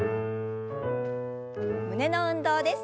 胸の運動です。